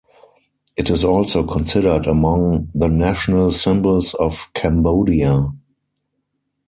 It is also considered among the national symbols of Cambodia.